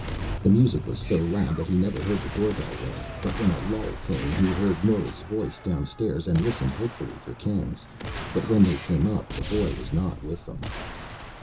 The music was so loud that he never heard the doorbell ring, but when a lull came, he heard Nora's voice downstairs, and listened hopefully for Ken's. But when they came up, the boy was not with them.